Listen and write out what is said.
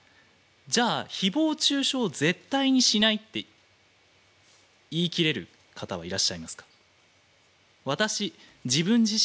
じゃあひぼう中傷を絶対にしないって言い切れる方はいらっしゃいますか。